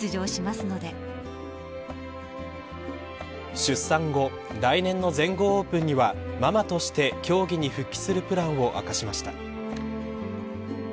出産後来年の全豪オープンにはママとして競技に復帰するプランを明かしました。